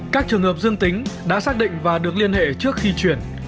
các trường hợp dương tính đã xác định và được liên hệ trước khi chuyển